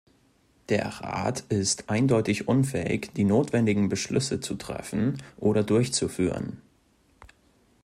Der Rat ist eindeutig unfähig, die notwendigen Beschlüsse zu treffen oder durchzuführen.